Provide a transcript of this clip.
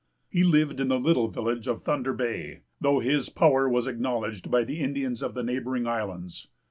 He lived in the little village of Thunder Bay, though his power was acknowledged by the Indians of the neighboring islands.